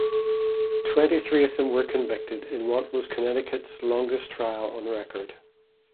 Twenty-three of them were convicted in what was Connecticut's longest trial on record.